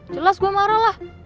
jelas gue marah lah